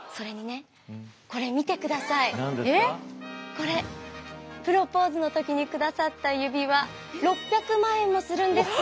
これプロポーズの時に下さった指輪６００万円もするんです。